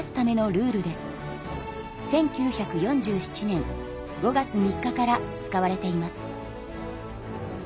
１９４７年５月３日から使われています。